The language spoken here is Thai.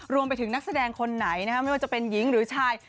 รวมไปถึงนักแสดงคนไหนไม่ว่าจะเป็นหญิงหรือชาย